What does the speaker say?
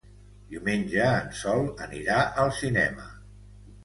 Diumenge en Sol anirà al cinema.